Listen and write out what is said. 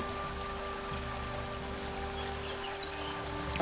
あ。